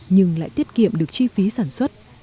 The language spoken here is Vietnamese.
nhưng lại tiết kiệm được chi phí sản xuất